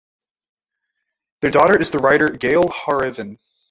Their daughter is the writer Gail Hareven.